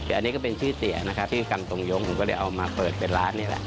แต่อันนี้ก็เป็นชื่อเสียนะครับชื่อกันตรงยงผมก็ได้เอามาเปิดเป็นร้านนี่แหละ